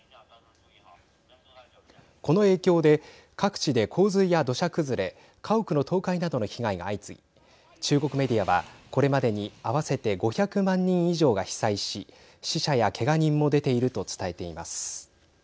この影響で各地で洪水や土砂崩れ家屋の倒壊などの被害が相次ぎ中国メディアは、これまでに合わせて５００万人以上が被災し死者や、けが人も出ていると伝えています。